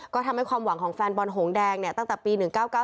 ก็ทำให้ความหวังของแฟนบอลหงแดงเนี่ยตั้งแต่ปี๑๙๙